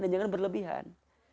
dan jangan berlebihan